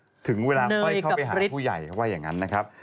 จึงเวลาใยไปหาผู้ใหญ่ว่าอย่างนั้นนะครับ